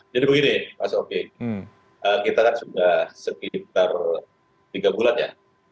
jadi begini pak sofi kita kan sudah sekitar tiga bulan ya